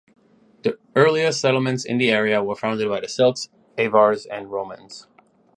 The earliest settlements in the area were founded by the Celts, Avars and Romans.